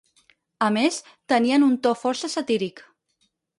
A més, tenien un to força satíric.